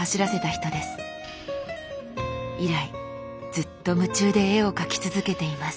以来ずっと夢中で絵を描き続けています。